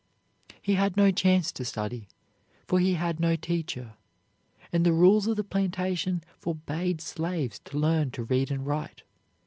He had no chance to study, for he had no teacher, and the rules of the plantation forbade slaves to learn to read and write.